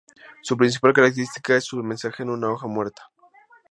Su principal característica es su semejanza con una hoja muerta.